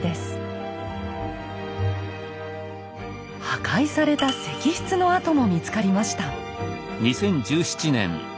破壊された石室の跡も見つかりました。